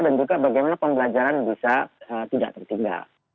dan juga bagaimana pembelajaran bisa tidak tertinggal